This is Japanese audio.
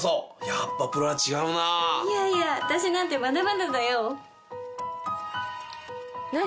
やっぱプロは違うなあいやいや私なんてまだまだだよ何？